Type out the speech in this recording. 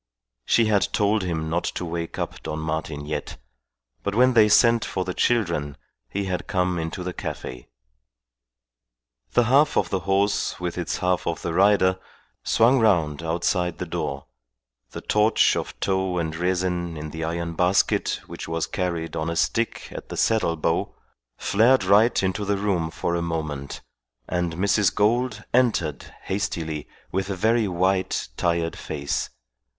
She had told him not to wake up Don Martin yet; but when they sent for the children he had come into the cafe. The half of the horse with its half of the rider swung round outside the door; the torch of tow and resin in the iron basket which was carried on a stick at the saddle bow flared right into the room for a moment, and Mrs. Gould entered hastily with a very white, tired face.